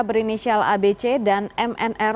berinisial abc dan mnr